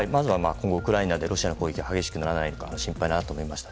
今後ウクライナでロシアの攻撃が激しくならないか心配になりました。